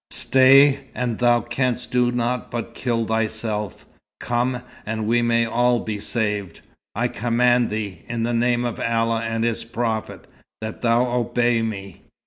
Stay, and thou canst do naught but kill thyself. Come, and we may all be saved. I command thee, in the name of Allah and His Prophet, that thou obey me."